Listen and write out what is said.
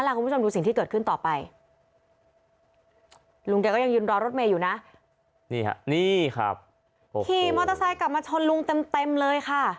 ลุงแกก็ยังยืนรอรถเมย์อยู่นะนี่ครับขี่มอเตอร์ไซต์กลับมาชนลุงเต็มเลยค่ะ